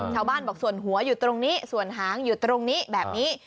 ชาวบ้านบอกส่วนหัวอยู่ตรงนี้ส่วนหางอยู่ตรงนี้แบบนี้